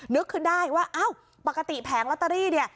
นึกขึ้นได้ว่าอ้าวปกติแผงลอตเตอรี่เนี่ย